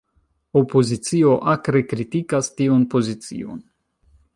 Opozicio akre kritikas tiun pozicion.